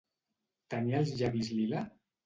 Tenia els llavis lila?